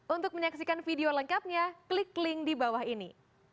untuk menyaksikan video lengkapnya klik link di bawah ini